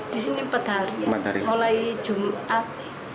di sini empat hari mulai jumat